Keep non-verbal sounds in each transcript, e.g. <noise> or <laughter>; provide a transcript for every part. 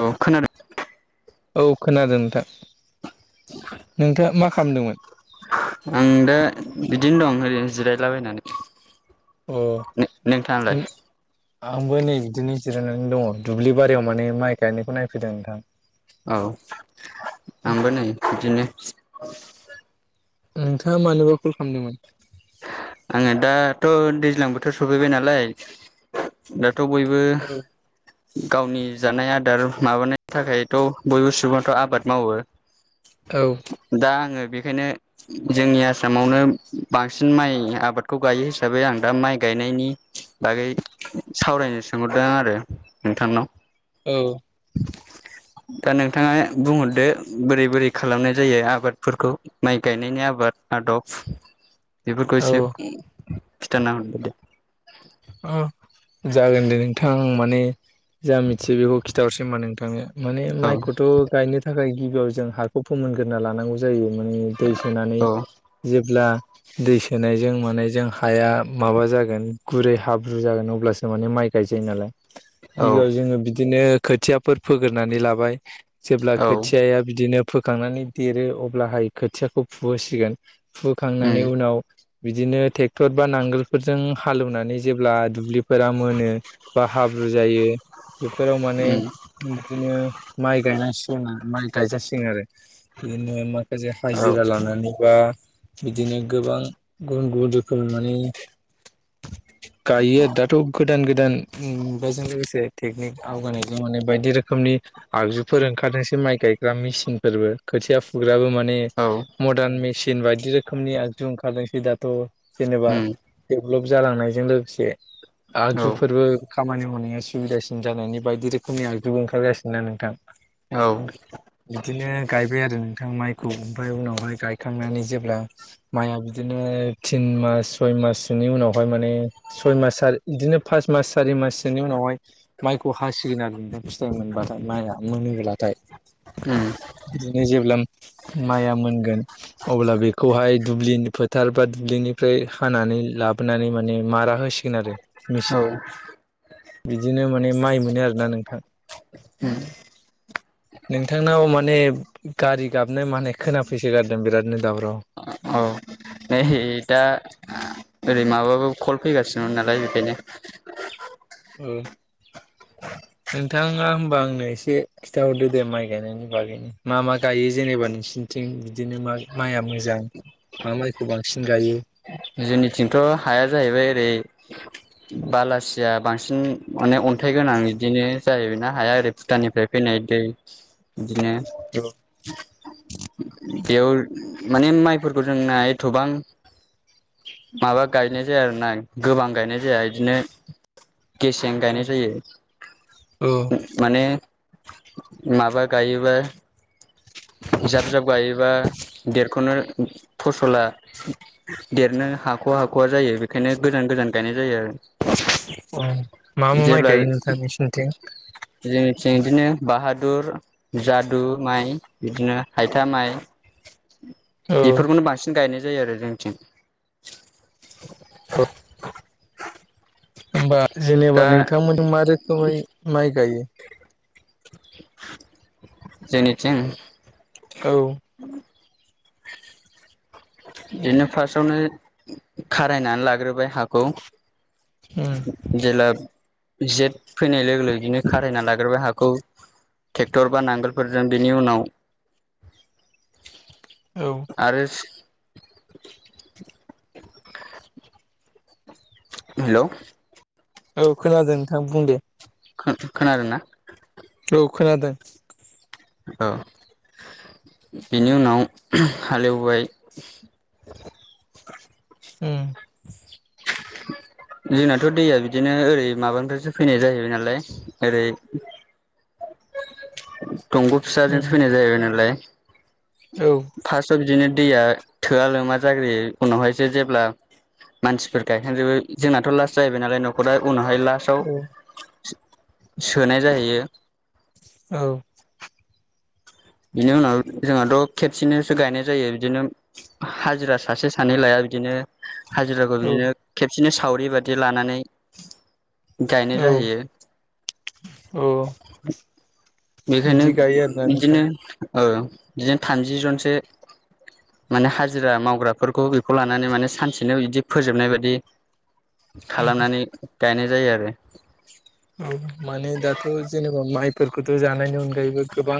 औ खोनादों औ खोनादों नोंथां नोंथाङा मा खालामदोंमोन आं दा बिदिनो दं ओरैनो जिरायलाबायनानै नोंथाङालाय अ आंबो नै बिदिनो जिरायनानै दङ दुब्लि बारियाव माने माइ गायनायखौ नायफैदों नोंथां औ आंबो नै बिदिनो नोंथाङा मानोबा कल खालामदोंमोन आङो दाथ' दैज्लां बोथोर सफैबाय नालाय दाथ' बयबो औ गावनि जानाय आदार माबानाय थाखायथ' बयबो सुबुङाथ' आबाद मावो दा आङो बेखायनो जोंनि आसामावनो बांसिन माइया आबादखौ गायो हिसाबै आं दा माइ गायनायनि बागै सावरायनो सोंहरदों आरो नोंथांनाव औ दा नोंथाङा बुंहरदो बोरै बोरै खालामनाय जायो आबादफोरखौ माइ गायनायनि आबाद आदब बेफोरखौ औ एसे खिथाना हरग्रोदो ओ जागोन दे नोंथां माने जा मिथियो बेखौ खिथाहरसै होमबा नोंथांनो माने औ माइखौथ' गायनो थाखाय गिबियाव जों हाखौ फोमोनग्रोना लानांगौ जायो माने दै सोनानै औ जेब्ला दै सोनायजों माने जों हाया माबा जागोन गुरै हाब्रु जागोन अब्लासो माने माइ गायजायो नालाय औ गिबियाव जोङो बिदिनो खोथियाफोर फोगोरोननानै लाबाय जेब्ला औ खोथियाया बिदिनो फोखांनानै देरो अब्लाहाय खोथियाखौ फुहोसिगोन उम फुखांनानै उनाव बिदिनो ट्रेक्टर बा नांगोलफोरजों हालेवनानै जेब्ला दुब्लि फोरा मोनो बा हाब्रु जायो बेफोराव माने उम बिदिनो माइ गायनांसिगोन आरो माइ गायजासिगोन आरो बिदिनो माखासे औ हाजिरा लानानै बा बिदिनो गोबां गुबुन गुबुन रोखोम माने गायो आरो दाथ' गोदान गोदान मुगाजों लोगोसे टेकनिक आवगायनायजों माने बायदि रोखोमनि आगजुफोर ओंखारसै माइ गायग्रा मेसिन फोरबो खोथिया फुग्राबो मोन माने औ मदार्न मेसिन बायदि रोखोमनि आगजु ओंखारदोंसै दाथ' जेनेबा उम डेभलप जालांनायजों लोगोसे औ आगजुफोरबो खामानि मावनाया सुबिदासिन जानायनि बायदि रोखोमनि आगजु ओंखारगासिनोना नोंथां औ बिदिनो गायबाय आरो माइखौ ओमफ्राय उनावहाय गायखांनानै जेब्ला माइआ बिदिनो तिन मास सय माससोनि उनाव हाय माने सय मास बिदिनो फास मास सारि माससोनि उनावहाय माइखौ हासिगोन आरो फिथाइ मोनबाथाय माइया मोनोलाथाय उम बिदिनो जेब्ला माइया मोनगोन अब्ला बेखौहाय दुब्लिनि फोथार बा दुब्लिनिफ्राय हानानै लाब बनानै माने मारा होसिगोन आरो मेचिन औ बिदिनो माने माइ मोनो आरोना नोंथां नोंथांनाव माने गारि गाबनाय माने खोनाफैसो गारदों बिरादनो दावराव औ नै दा ओरै माबाबो कल फैगासिनोमोन नालाय बेखायनो औ नोंथाङा होमबा आंनो एसे खिन्थाहरदो दे माइ गायनायनि बागैनो मा मा गायो जेनेबा नोंसिोरनिथिं बिदिनो मा माइआ मोजां मा माइखौ बांसिन गायो जोंनिथिंथ' हाया जाहैबाय ओरै बालासिया बांसिन माने अन- थाइ गोनां बिदिनो जाहैबाय ना हाया ओरै भुटाननिफ्राय फैनाय दै बिदिनो औ बेयाव माने माइफोरखौ जोंना एथ'बां माबा गायनाय जाया आरोना गोबां गायनाय जाया बिदिनो गेसें गायनाय औ जायो माने माबा गायोबो जाब जाब गायोबा देरख'नो फसला देरनो हाख'वा हाख'वा जायो बेखायनो गोजान गोजान गायनाय जायो आरो मा मा माइ जेब्ला गायो नोंथां नोंसोरनिथिं जोंनिथिं बिदिनो बाहाद दुर जादु माइ बिदिनो हायथा माइ औ बेफोरखौनो बांसिन गायनाय जायो आरो जोंथिं ह होमबा जेनेबा दा नोंथांमोन मा रोखोमै माइ गायो? <inaudible> जोंनिथिं औ बिदिनो फार्स्टआवनो खारायनानै लाग्रोबाय हाखौ उम जेब्ला जेथ फैनाय लोगो लोगो बिदिनो खारायना लाग्रोबाय हाखौ ट्रेक्टर बा नांगोलफोरजों बेनि उनाव <inaudible> औ आरो हेल' औ खोनादों नोंथां बुं दे खोनादों ना औ खोनादों औ बिनि उनाव हालेवबाय उम जोंनाथ' दैया बिदिनो ओरै माबानिफ्रायसो फैनाय जाहैबाय नालाय ओरै दंग' उम फिसाजोंसो फैनाय जाहैबाय नालाय औ फार्स्टआव बिदिनो दैया थोआ लोमा जाग्रोयो उनावहायसो जेब्ला मानसिफोर गायखांजोबो जोंनाथ' लास्ट जाहैबाय नालाय नखरा उनाव हाय लास्टाव औ सोनाय जाहैयो औ बिनि उनाव जोंहाथ' खेबसेनोसो गायनाय जायो बिदिनो हाजिरा सासे सानै लाया बिदिनो हाजिराखौ औ बिदिनो खेबसेनो सावरि बादि लानानै गायनाय औ जाहैयो। औ बेखायनो बिदि गायो आरोना बिदिनो नोंथां ओ बिदिनो थामजि जनसो माने हाजिरा मावग्राफोरखौ बेखौ लानानै माने सानसेनो बिदि फोजोबनाय बायदि खालामनानै गायनाय जायो आरो औ माने दाथ' जेनेबा माइफोरखौथ' जानायनि अनगायैबो गोबां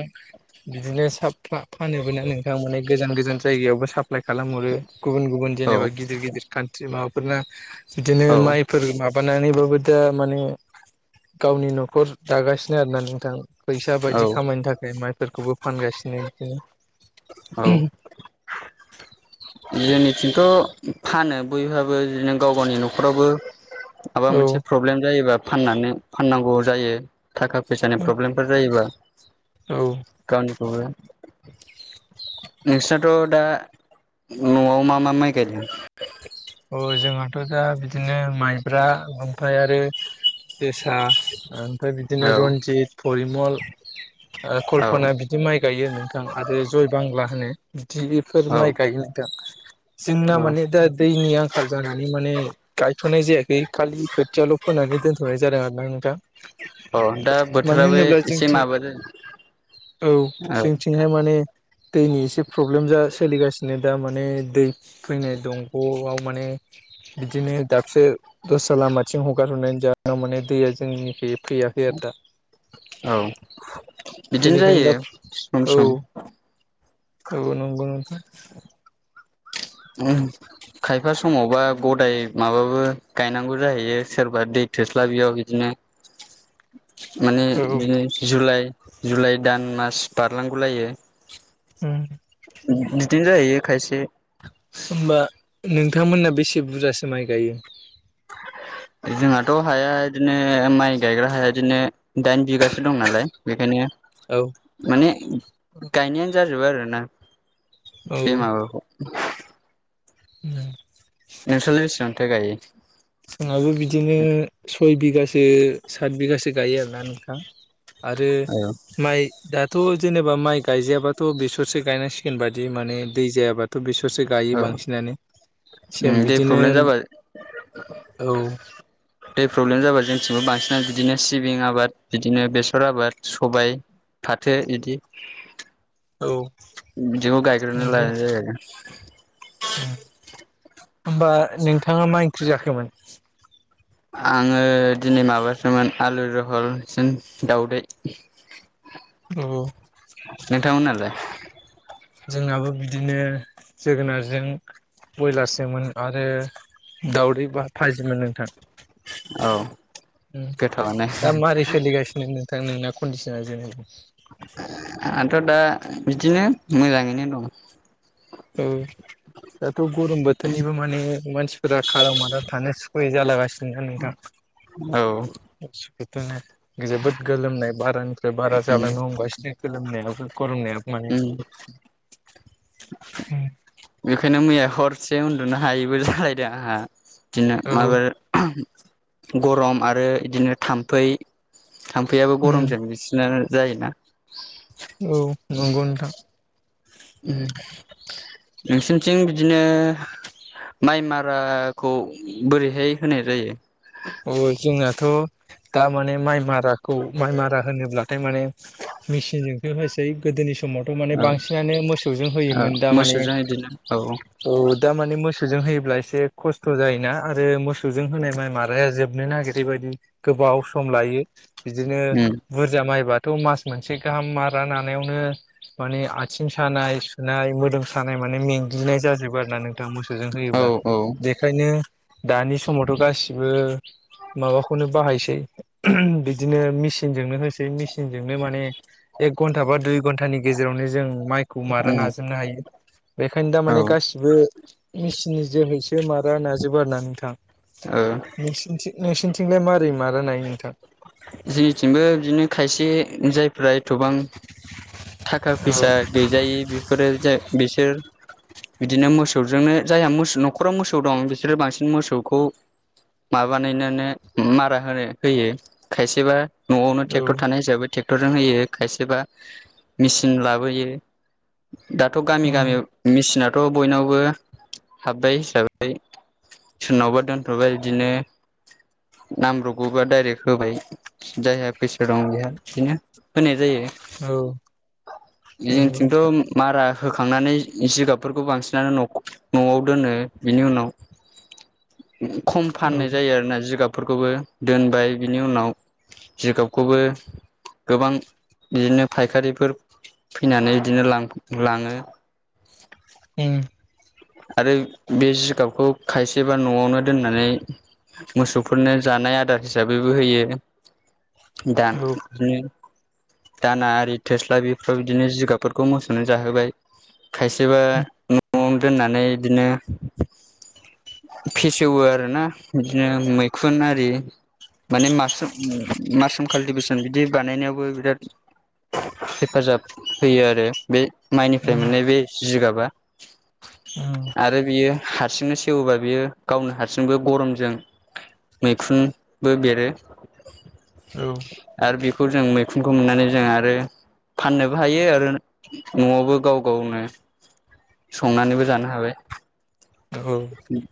बिदिनो सा फा फानोब ना नोंथां माने गोजान गोजान जायगायावबो साफ एप्लाइ खालामहरो गुबुन गुबुन औ जेनेबा गिदिर गिदिर कान्ट्रि माबाफोरनो बिदिनो औ माइफोर माबानानैबाबो दा माने गावनि न'खर दागासिनो आरोना नोंथां फैसा औ बायदि खामायनो थाखाय माने फोरखौबो फानगासिनो बिदिनो औ जोंनिथिंथ' फानो बयहाबो बिदिनो गाव गावनि न'खरावबो माबा औ मोनसे प्रब्लेम जायोबा फाननानै फाननांगौ जायो थाखा फैसानि प्रब्लेमफोर जायोबा औ गावनिखौबो नोंसोनाथ' दा न'आव मा मा माइ गायदों औ जोंहाथ' दा बिदिनो माइब्रा ओमफ्राय आरो जोसा ओमफ्राय बिदिनो औ रन्जित परिमल औ कल्पना बिदि माइ गायो नोंथां आरो जय बांला होनो बिदिफोर औ माइ गायनांदों जोंना औ माने दा दैनि आंखाल जानानै माने गायथ'नाय जायाखै खालि खोथियाल' फोनानै दोनथ'नाय जादों आरोना नोंथाङां अ दा बोथोराबो एसे जोंथिं माबादो औ जोंथिंहाय माने दैनि एसे प्रब्लेम जास सोलिगासिनो दा माने दै फैनाय दंग'आव माने बिदिनो दाबसे दस्रा लामाथिं हगार हरनायनि जाहोनाव माने दैया जोंनिखि फैयाखै आरो दा औ बिदिनो बेनिखायनो जायो सम सम औौ नंगौ नोंथां खायफा समावबा गदाय माबाबो गायनांगौ जाहैयो सोरबा दै थोस्ला बियाव बिदिनो <inaudible> माने औ बिनो जुलाइ जुलाइ दान मास बारलांगौलायो उम उम बिदिनो जाहैयो खायसे होमबा नोंथांमोना बेसे बुरजासो माइ गायो? जोंहाथ' हाया इदिनो माइ गायग्रा हाया इदिनो दाइन बिगासो दं नालाय बेखायनो औ माने गायनायानो जाजोबो आरो ना औ बे माबाखौ <unintelligible> नोंस्रालाय बेसेबांथो गायो जोंहाबो बिदिनो सय बिगासो सात बिगासो गायो आरोना नोंथां। आरो औ माइ दा थ' जेनेबा माइ गायजायाबाथ' बेसरसो गायनांसिगोन बादि माने दै जायाबाथ' बेस सरसो गायो औ बांसिनानो सेम दै बिदिनो प्रब्लेम जाबा औ दै प्रब्लेम जाबा जोंथिंबो बांसिनानो बिदिनो सिबिं आबाद बिदिनो बेसर आबाद सबाय फाथो इदि औ बिदिखौ गायगोरोना नंगौ लानाय जायो होमबा नोंथाङा मा इंख्रि जाखोमोन? आङो दिनै माबासोमोन आलु जहल सोन दाउदै औ थां मोनालाय जोंनाबो बिदिनो जोगोनारजों बयलारजों मोन आरो दावदै बा फाजिमोन नोंथां। औ उम गोथावानो दा मारै सोलि गासिनो नो थां नोंना कन्दिसना जेनेबा आंथ' दा बिदिनो मोजाङैनो दं। औ दाथ' गरम बोथोरनिबो माने मानसिफोरा खाराव माराव थानो सुख बोरै जालागासिनो नोंथां औ ओदस बिदिनो जोबोद गोलोमनाय बारानिफ्राय बारा जालांनो हमगासिनो गोलोमनायाबो गरमनाया माने उम बेखायनो मैया हरसे उनदुनो हायैबो जालायदों आंहा दिनो औ माबो गरम आरो इदिनो थामफै थामफैयाबो गरमजों बिसिनानो जायोना औ नंगौ नोंथां। उम नोंसिनिथिं बिदिनो माइ माराखौ बोरैहाय होनाय जायो? औ जोंनाथ' दा माने माइ माराखौ माइ मारा होनोब्लाथाय माने मिसिनजोंसो होसै गोदोनि समावथ' माने औ बांसिनानो मोसौजों औ होयोमोन दा माने मोसौजों बिदिनो औ औ दा माने मोस सौजों होयोब्ला एसे खस्थ' जायोना आरो मोसौजों होनाय माइ मा जोबनो नागिरैबायदि गोबाव सम लायो बिदिनो बुरजा माइबा थ' मास मोनसे गाहाम मारा नानायावनो माने आथिं सानाय सुनाय मोदोम सानाय म माने मेंग्लिनाय जाजोबो आरोना नों थां मोसौजों औ होयोब्ला औ बेखायनो दानि समावथ' गासिबो माबाखौनो बाहायसै बिदिनो मिचिनजोंनो होसै मिचिनजोंनो माने एक घन्टा बा दुइ घन्टानि गेजेरावनो जों माइखौ मारा औ नाजोंनो हायो बेखायनो दामाने गासिबो मेसिननि जोहैसो मारा नाजोबो आरोना नोंथां। औ नोंसिनिथि नोंसिनिथिंलाय मारै मारा नायो नोंथां? जोंनिथिंबो बिदिनो खायसे जायफ्रा एथ'बां थाखा फैसा गैजायै बेफोरो जा बिसोर बिदिनो मोसौजोंनो जायहा मोसौ न'खराव मोसौ दं बिसोरो बांसिन मोसौखौ माबानानैनोनो मारा होनो होयो खायसेबा। न'यावनो औ ट्रेक्टर थानाय हिसाबै ट्रेक्टरजों होयो खायसेबा मेचिन लाबोयो दाथ' गामि उम गामियाव मेसिना थ' बयनावबो हाबबाय हिसाबै सोरनावबा दोनथ'बाय बिदिनो नांब्रबगौबा डाइरेक्ट होबाय जायहा फैसा दं बेहा बिदिनो होनाय जायो। औ। नंगौ नोंथां जोंनिथिंथ' मारा होखांनानै जिगाबफोरखौ बांसिनानो न'याव दोनो बेनि उनाव। <inaudible> खम औ फाननाय जायो आरोना जिगाब फोरफोरखौबो दोनबाय बिनि उनाव जिगाबखौबो। गोबां बिदिनो फायखारिफोर फैनानै बिदिनो लाङो। ओम आरो बे जिगाबखौ खायसेबा न'यावनो दोननानै मोसौफोरनो जानाय आदार हिसाबैबो होयो। दान औ दाना आरि थस <unintelligible> दा बेफोराव बिदिनो जिगाबफोरखौ मोसौनो जाहोबाय खायसेबा न'आवनो दोननानै बिदिनो। फेसेवो आरोना बिदिनो मैखुन आरि। माने मासुम मासरुम काल्टिभेसन बिदि बानायनायावबो बिराद। हेफाजाब होयो आरो बे माइनिफ्राय उम मोननाय बे जिगाबा औ। आरो बियो हारसिंनो सेवोबा बियो गावनो हारसिंबो गरमजों। मैखुनबो बेरो उम आरो बे खौ जों मैखुनखौ मोननानै जों आरो। फाननोबो हायो आरो न'आवबो गाव गावनो <inaudible> संनानैबो जानो हाबाय औ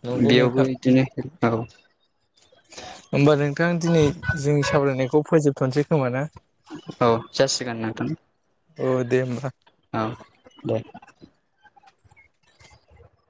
नंगौ बेयावबो नोंथां बिदिनो औ। होमबा नोंथां दिनै जोंनि सावरायनायखौ फोजोबथ'नोसै खोमा ना। औ जासिगोन नोंथां औ दे होमबा औ दे